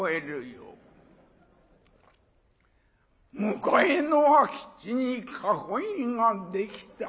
『向かいの空き地に囲いが出来た。